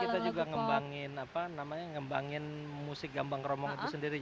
jadi kita juga ngembangin apa namanya ngembangin musik gambang keromong itu sendiri